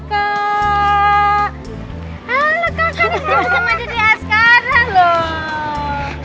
kaka dijemput sama dede askara loh